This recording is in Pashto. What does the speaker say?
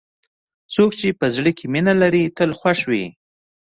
څوک چې په زړه کې مینه لري، تل خوښ وي.